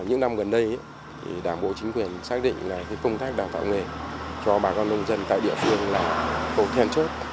những năm gần đây đảng bộ chính quyền xác định là công tác đào tạo nghề cho bà con nông dân tại địa phương là khâu then chốt